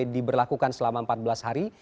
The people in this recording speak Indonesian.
diberlakukan selama empat belas hari